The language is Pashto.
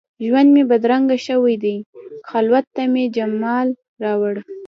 ژوند مي بدرنګ شوی دي، خلوت ته مي جمال راوړه